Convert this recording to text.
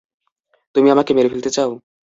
তুমি আমাকে মেরে ফেলতে চাও?